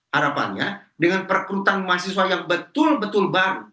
harapannya dengan perekrutan mahasiswa yang betul betul baru